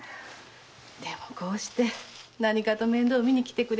でもこうして何かと面倒みに来てくれましてねえ。